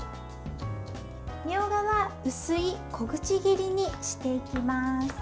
みょうがは薄い小口切りにしていきます。